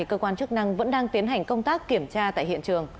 cơ quan chức năng vẫn đang tiến hành công tác kiểm tra tại hiện trường